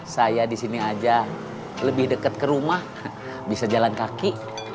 saya di sini aja lebih dekat ke rumah bisa jalan kaki